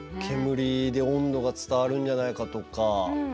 煙で温度が伝わるんじゃないかとか。